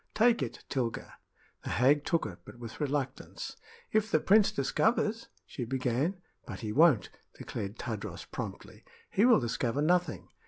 Take it, Tilga." The hag took it, but with reluctance. "If the prince discovers " she began. "But he won't," declared Tadros, promptly. "He will discover nothing.